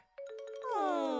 うん。